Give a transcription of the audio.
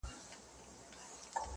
o د تربور غاښ په تربره ماتېږي!